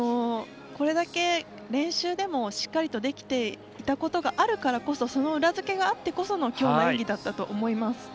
これだけ練習でもしっかりできていたことがあるからこそ裏づけがあってこそきょうの演技だと思います。